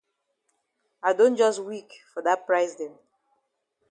I don jus weak for dat price dem.